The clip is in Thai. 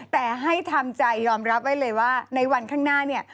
แต่ให้ทำใจยอมรับไว้เลยว่าในวันข้างหน้าเนี่ย